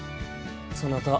そなた